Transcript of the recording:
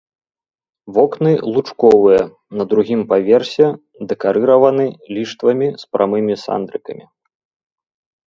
Вокны лучковыя, на другім паверсе дэкарыраваны ліштвамі з прамымі сандрыкамі.